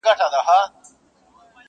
نور بيا د ژوند عادي چارو ته ستنېږي ورو,